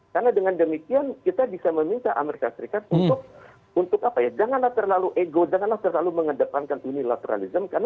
karena dengan demikian kita bisa meminta amerika serikat untuk apa ya janganlah terlalu ego janganlah terlalu mengedepankan unilateralism